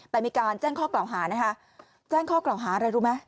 แต่มีการแจ้งข้อกล่าวหานะคะแจ้งข้อกล่าวหาอะไรรู้ไหม